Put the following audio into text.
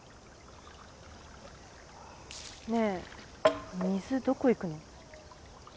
ねぇ水どこ行くの？